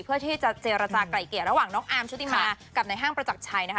เพื่อที่จะเจรจากลายเกลียดระหว่างน้องอาร์มชุติมากับในห้างประจักรชัยนะคะ